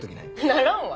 ならんわ。